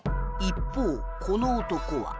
一方この男は